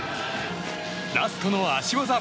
ラストの脚技。